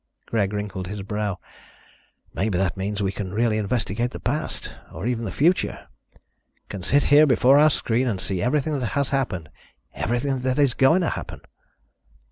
Greg wrinkled his brow. "Maybe that means we can really investigate the past, or even the future. Can sit here before our screen and see everything that has happened, everything that is going to happen."